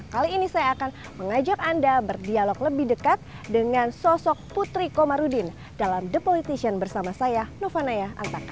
kali ini saya akan mengajak anda berdialog lebih dekat dengan sosok putri komarudin dalam the politician bersama saya novanaya antaka